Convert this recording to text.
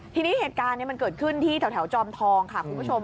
ทีนี้เหตุการณ์มันเกิดขึ้นที่แถวจอมทองค่ะคุณผู้ชม